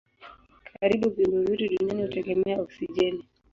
Karibu viumbe vyote duniani hutegemea oksijeni.